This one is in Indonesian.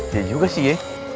dia juga sih ya